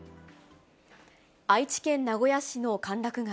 愛知県名古屋市の歓楽街。